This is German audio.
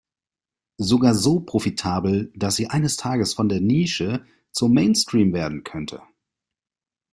Sogar so profitabel, dass sie eines Tages von der Nische zum Mainstream werden könnte.